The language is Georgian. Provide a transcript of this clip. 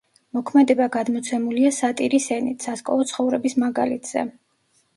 მოქმედება გადმოცემულია სატირის ენით, სასკოლო ცხოვრების მაგალითზე.